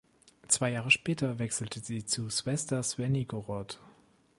Zwei Jahre später wechselte sie zu Swesda Swenigorod.